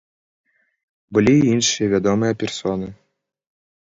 Былі і іншыя вядомыя персоны.